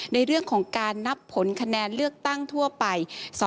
ในเรื่องของการนับผลคะแนนเลือกตั้งทั่วไป